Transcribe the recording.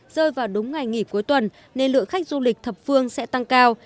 rơi vào đúng ngày nghỉ cuối tuần nên lượng khách du lịch thập phương sẽ tăng cao